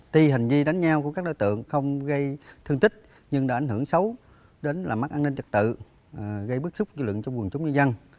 tuy hình như đánh nhau của các đối tượng không gây thương tích nhưng đã ảnh hưởng xấu đến mất an ninh trật tự gây bức xúc kỷ lượng trong quận chống nhân dân